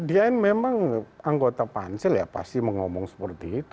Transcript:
dia memang anggota pansel ya pasti mengomong seperti itu